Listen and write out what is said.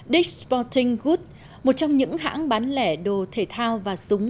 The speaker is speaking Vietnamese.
dick s sporting goods một trong những hãng bán lẻ đồ thể thao và súng